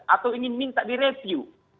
atau ingin minta direview